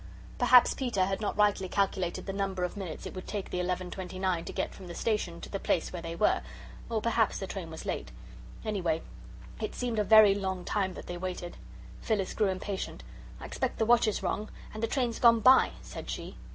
Perhaps Peter had not rightly calculated the number of minutes it would take the 11.29 to get from the station to the place where they were, or perhaps the train was late. Anyway, it seemed a very long time that they waited. Phyllis grew impatient. "I expect the watch is wrong, and the train's gone by," said she.